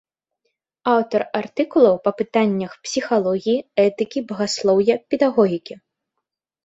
Аўтар артыкулаў па пытаннях псіхалогіі, этыкі, багаслоўя, педагогікі.